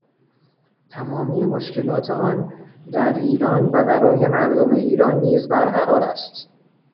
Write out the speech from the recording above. تمامی مشکلات آن، در ایران و برای مردم ایران نیز برقرار است